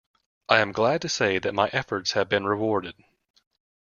I am glad to say that my efforts have been rewarded.